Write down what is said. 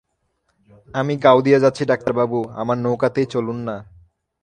আমিও গাওদিয়া যাচ্ছি ডাক্তারবাবু, আমার নৌকাতেই চলুন না।